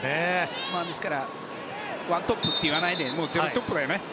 ですから１トップとは言わないで、０トップだよね。